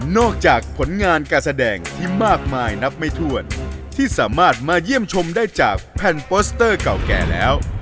จากผลงานการแสดงที่มากมายนับไม่ถ้วนที่สามารถมาเยี่ยมชมได้จากแผ่นโปสเตอร์เก่าแก่แล้ว